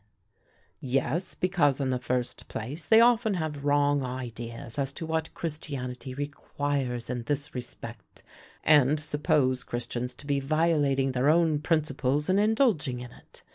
"Yes, because, in the first place, they often have wrong ideas as to what Christianity requires in this respect, and suppose Christians to be violating their own principles in indulging in it.